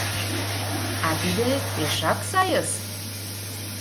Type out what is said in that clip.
— А тиде пешак сайыс!